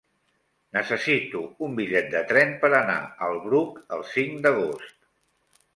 Necessito un bitllet de tren per anar al Bruc el cinc d'agost.